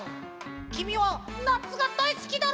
きみはなつがだいすきだろ？